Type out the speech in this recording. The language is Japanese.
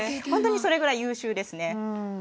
ほんとにそれぐらい優秀ですね。